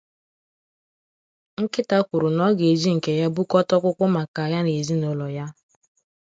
Nkita kwuru na ọ ga-eji nke ya bukọta ọkpụkpụ maka ya na ezinaụlọ ya.